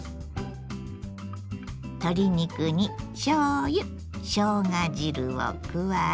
鶏肉にしょうゆしょうが汁を加え。